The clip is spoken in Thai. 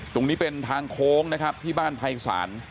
ตรงนี้เป็นทางโค้งนะครับที่บ้านภัยศาล